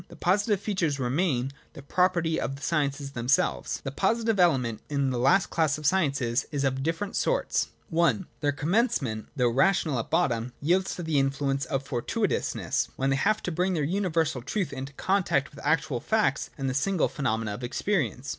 The positive features remain the property of the sciences themselves. The positive element in the last class of sciences is of different sorts. (I) Their commencement, though ra tional at bottom, yields to the influence of foi tuitousness, when they have to bring their universal truth into con tact with actual facts and the single phenomena of ex perience.